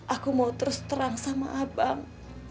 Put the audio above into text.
aku mau terus terang sama abang